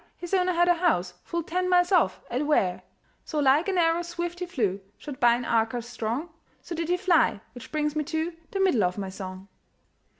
his owner had a house Full ten miles off, at Ware. So like an arrow swift he flew, Shot by an archer strong; So did he fly which brings me to The middle of my song.